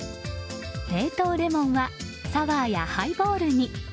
冷凍レモンはサワーやハイボールに。